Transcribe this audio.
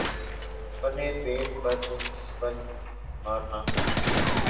پنے پیٹ پر پنسل مارنا